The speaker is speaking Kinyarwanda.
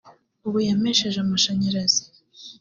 ubu yampesheje amashanyarazi